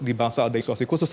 di bangsa ada eksosisi khusus